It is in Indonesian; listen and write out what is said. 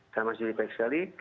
dan mas juhari baik sekali